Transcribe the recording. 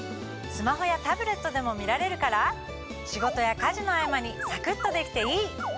スマホやタブレットでも見られるから仕事や家事の合間にさくっとできていい！